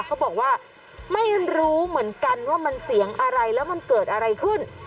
เขาบอกว่าไม่รู้เหมือนกันว่ามันเสียงอะไรแล้วมันเกิดอะไรขึ้น